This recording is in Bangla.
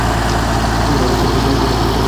তোমার এ আগুনকে ঘরের মধ্যে লুকিয়ে রাখবে কে?